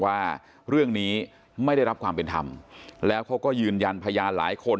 ว่าเรื่องนี้ไม่ได้รับความเป็นธรรมแล้วเขาก็ยืนยันพยานหลายคน